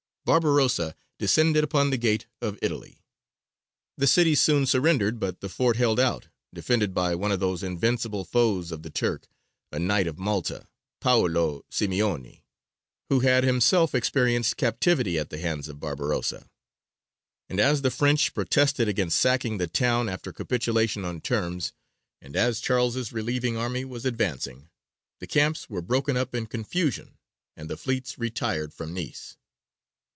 Barbarossa descended upon the Gate of Italy. The city soon surrendered, but the fort held out, defended by one of those invincible foes of the Turk, a Knight of Malta, Paolo Simeoni, who had himself experienced captivity at the hands of Barbarossa; and as the French protested against sacking the town after capitulation on terms, and as Charles's relieving army was advancing, the camps were broken up in confusion, and the fleets retired from Nice.